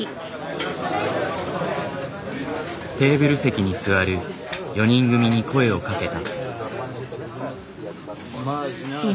テーブル席に座る４人組に声をかけた。